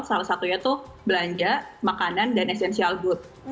salah satunya tuh belanja makanan dan essential booth